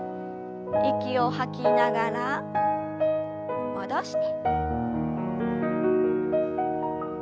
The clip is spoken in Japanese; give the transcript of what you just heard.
息を吐きながら戻して。